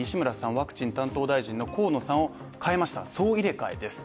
ワクチン担当大臣の河野さんを変えました総入れ替えです。